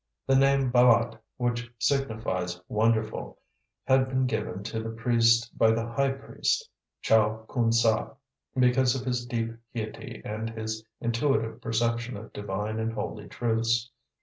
The name Bâlât, which signifies "wonderful," had been given to the priest by the high priest, Chow Khoon Sah, because of his deep piety and his intuitive perception of divine and holy truths.